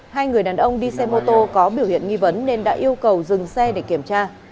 hai người đàn ông đi xe mô tô có biểu hiện nghi vấn nên đã yêu cầu dừng xe để kiểm tra